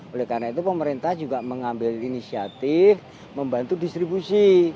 oleh karena itu pemerintah juga mengambil inisiatif membantu distribusi